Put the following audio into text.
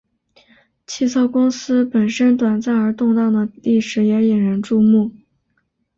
汽车公司本身短暂而动荡的历史也引人注目。